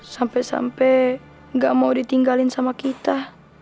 sampai sampai gak mau ditinggalin sama kita